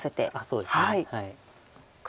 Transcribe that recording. そうですね。